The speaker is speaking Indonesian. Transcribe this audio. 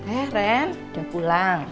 eh ren udah pulang